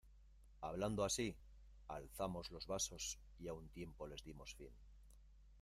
hablando así, alzamos los vasos y a un tiempo les dimos fin.